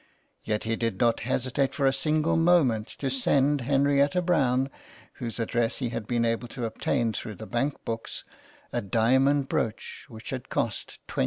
Yet he did not hesitate for a single moment to send Henrietta Brown, whose address he had been able to obtain through the bank books, a diamond brooch which had cost ;^20.